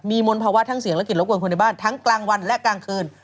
มีมนต์ภาวะทั้งเสียงและกิจรบกวนคนในบ้านทั้งกลางวันและกลางคืน